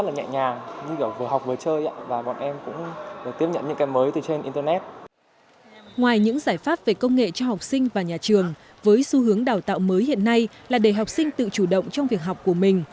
ngoài những giải pháp về công nghệ cho học sinh và nhà trường với xu hướng đào tạo mới hiện nay là để học sinh tự chủ động trong việc học của mình